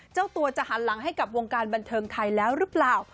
เจ้าตัวจะหันหลังให้กับวงการบันเทิงไทยแล้วหรือเปล่า